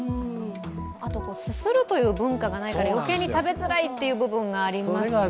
あと、すするという文化がないから余計に食べづらいというところがありますよね。